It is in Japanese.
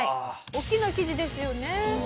大きな記事ですよね。